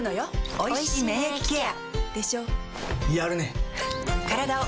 おいしい免疫ケア